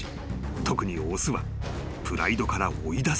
［特に雄はプライドから追い出される］